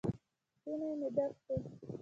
ستونى مې ډک سو.